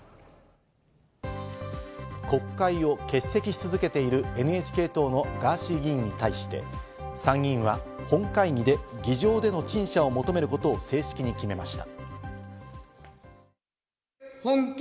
国会を欠席し続けているＮＨＫ党のガーシー議員に対して、参議院は本会議で議場での陳謝を求めることを正式に決めました。